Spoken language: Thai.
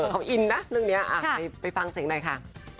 เขาอินนะเรื่องนี้ไปฟังเสียงหน่อยค่ะ